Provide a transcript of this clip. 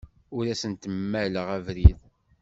Ur asent-mmaleɣ abrid.